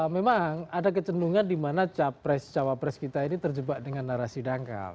memang ada kecendungan di mana capres cawapres kita ini terjebak dengan narasi dangkal